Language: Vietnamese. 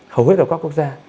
hầu hết ở các quốc gia